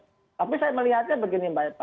tapi saya melihatnya begini mbak eva